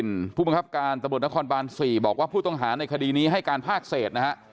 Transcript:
ที่ช่วยพี่เอิ้นพูดเพิ่มครับการตำรวจนครบานสี่บอกว่าผู้ต้องหาในคดีนี้ให้การภากเศษนะฮะ